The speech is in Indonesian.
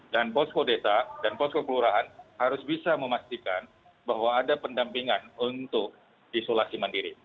dan posko deta dan posko kelurahan harus bisa memastikan bahwa ada pendampingan untuk isolasi mandiri